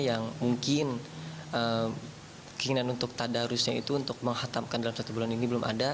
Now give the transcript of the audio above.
yang mungkin keinginan untuk tadarusnya itu untuk menghatamkan dalam satu bulan ini belum ada